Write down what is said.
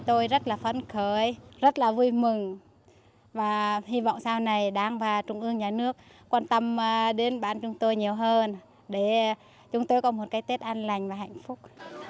tôi rất là phấn khởi rất là vui mừng và hy vọng sau này đáng và trung ương nhà nước quan tâm đến bán chúng tôi nhiều hơn để chúng tôi có một cái tết an lành và hạnh phúc